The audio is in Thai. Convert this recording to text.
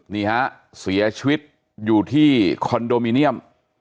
นี่ฮะเสียชีวิตอยู่ที่คอนโดมิเนียม